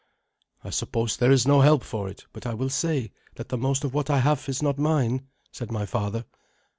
"I suppose there is no help for it, but I will say that the most of what I have is not mine," said my father.